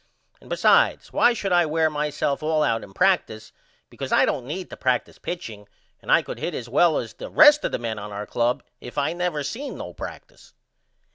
And besides why should I wear myself all out in practice because I don't need to practice pitching and I could hit as well as the rest of the men on our club if I never seen no practice.